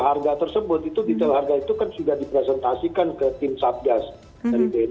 harga tersebut itu detil harga itu kan sudah dipresentasikan ke tim satgas dari bb kemenkes dan juga dengan kodam dan juga dengan kodam